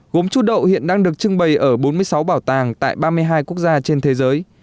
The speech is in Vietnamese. gốm chú đậu hiện đang được trưng bày ở bốn mươi sáu bảo tàng tại ba mươi hai quốc gia trên thế giới